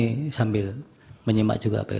terima kasih m attendant cichy atau suami catsoca e